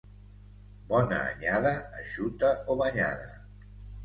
Bona anyada, eixuta o banyada.